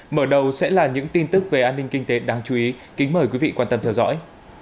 mở đầu sẽ là những tin tức về an ninh kinh tế đáng chú ý kính mời quý vị quan tâm theo dõi